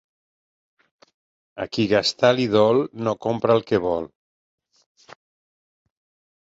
A qui gastar li dol no compra el que vol.